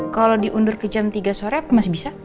kalau diundur ke jam tiga sore apa masih bisa